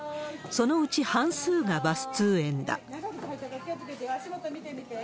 そのうち半数がバス通園だ。